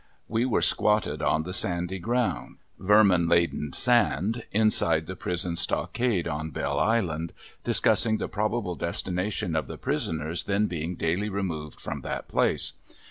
We were squatted on the sandy ground vermin ladened sand inside the prison stockade on Belle Island, discussing the probable destination of the prisoners then being daily removed from that place.